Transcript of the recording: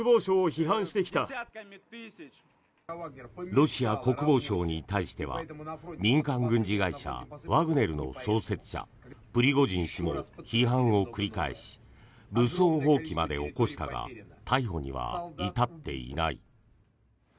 ロシア国防省に対しては民間軍事会社ワグネルの創設者プリゴジン氏も批判を繰り返し武装蜂起まで起こしたが逮捕には至っていない。